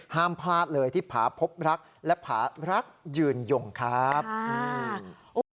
ห้ามพลาดเลยที่พาพบรักษณ์และพารักษณ์ยืนยงครับค่ะ